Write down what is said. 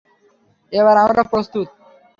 এবার আমরা প্রস্তুত।